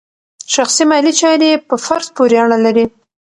شخصي مالي چارې په فرد پورې اړه لري.